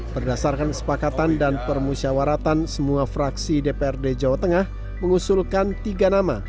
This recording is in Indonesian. berdasarkan kesepakatan dan permusyawaratan semua fraksi dprd jawa tengah mengusulkan tiga nama